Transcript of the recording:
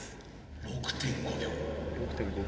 ６．５秒。